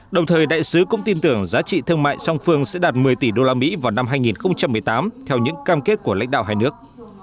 đồng thời đại sứ cũng tin tưởng giá trị thương mại song phương sẽ đạt một mươi tỷ usd vào năm hai nghìn một mươi tám theo những cam kết của lãnh đạo hai nước